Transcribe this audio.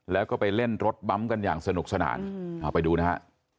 แล้วก็ไปเล่นรถบั๊มกันอย่างสนุกสนานเอาไปดูนะฮะ